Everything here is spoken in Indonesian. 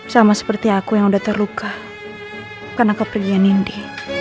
sama seperti aku yang udah terluka karena kepergian indi